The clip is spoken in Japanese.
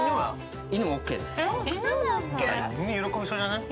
犬、喜びそうじゃない？